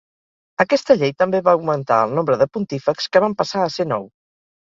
Aquesta llei també va augmentar el nombre de pontífex, que van passar a ser nou.